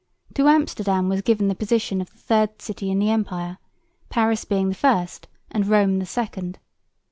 To Amsterdam was given the position of the third city in the empire, Paris being the first and Rome the second.